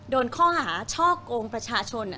โดนข้อหาช่อกงประชาชน